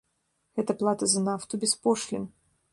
Гэта плата за нафту без пошлін.